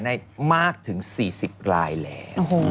ได้มากถึง๔๐รายแล้ว